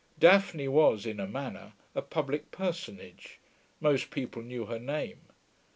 Daphne, was, in a manner, a public personage; most people knew her name.